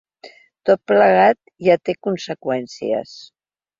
Tot plegat ja té conseqüències.